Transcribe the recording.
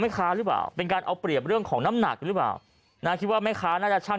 ค้าหรือเปล่าเป็นการเอาเปรียบเรื่องของน้ำหนักหรือเปล่านะคิดว่าแม่ค้าน่าจะช่าง